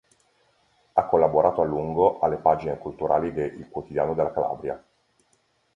Ha collaborato a lungo alle pagine culturali de "Il Quotidiano della Calabria".